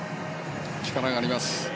力があります。